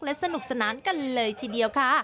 และสนุกสนานกันเลยทีเดียวค่ะ